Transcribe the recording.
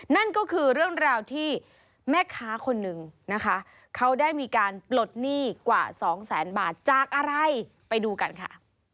นั่นก็คือเรื่องราวที่แม่ค้าคนหนึ่งนะคะเขาได้มีการปลดหนี้กว่าสองแสนบาทจากอะไรไปดูกันค่ะ